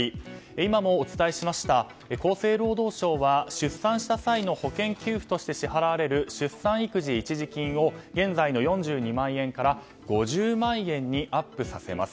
今もお伝えしました厚生労働省は出産した際の保険給付として支払われる出産育児一時金を現在の４２万円から５０万円にアップしています。